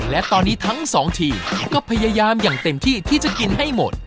และตอนนี้ทั้งสองทีมก็พยายามอย่างเต็มที่ที่จะกินให้หมด